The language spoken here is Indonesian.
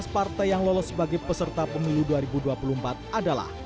tujuh belas partai yang lolos sebagai peserta pemilu dua ribu dua puluh empat adalah